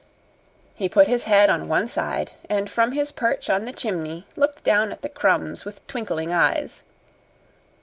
He put his head on one side, and from his perch on the chimney looked down at the crumbs with twinkling eyes.